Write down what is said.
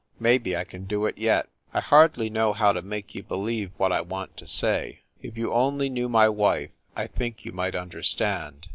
Maybe I can do it yet. I hardly know how to make you believe what I want to say. If you only knew my wife I think you might understand."